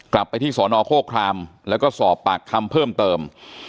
กลับไปที่สอนอโฆครามแล้วก็สอบปากคำเพิ่มเติม